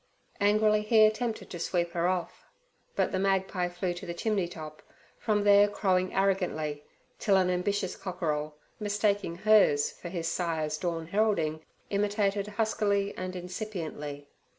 Angrily he attempted to sweep her off, but the magpie flew to the chimney top, from there crowing arrogantly, till an ambitious cockerel, mistaking hers for his sire's dawn heralding, imitated huskily and incipiently.